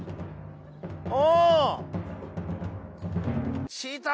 お！